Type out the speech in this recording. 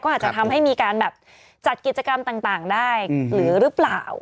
อาจจะทำให้มีการแบบจัดกิจกรรมต่างได้หรือหรือเปล่า